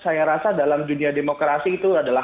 saya rasa dalam dunia demokrasi itu adalah